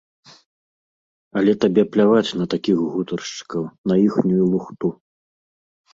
Але табе пляваць на такіх гутаршчыкаў, на іхнюю лухту.